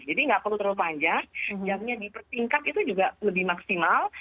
nggak perlu terlalu panjang jamnya dipertingkat itu juga lebih maksimal